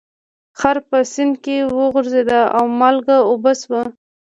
خر په سیند کې وغورځید او مالګه اوبه شوه.